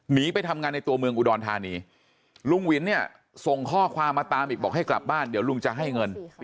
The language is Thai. หนีไปทำงานในตัวเมืองอุดรธานีลุงวินเนี่ยส่งข้อความมาตามอีกบอกให้กลับบ้านเดี๋ยวลุงจะให้เงิน